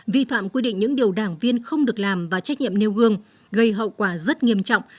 vi phạm quy định những điều đảng viên không được làm và trách nhiệm nêu gương gây hậu quả rất nghiêm trọng